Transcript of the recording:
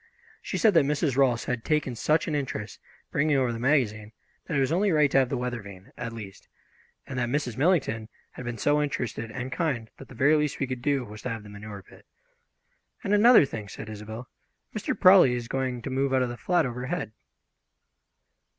She said that Mrs. Rolfs had taken such an interest, bringing over the magazine, that it was only right to have the weather vane, at least; and that Mrs. Millington had been so interested and kind that the very least we could do was to have the manure pit. "And another thing," said Isobel, "Mr. Prawley is going to move out of the flat overhead."